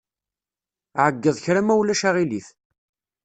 Ɛeyyeḍ kra ma ulac aɣilif.